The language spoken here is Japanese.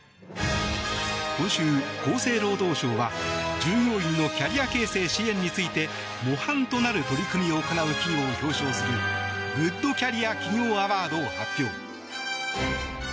今週、厚生労働省は従業員のキャリア形成支援について模範となる取り組みを行う企業を表彰するグッドキャリア企業アワードを発表。